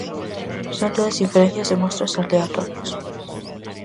Son todas inferencias de mostras aleatorias.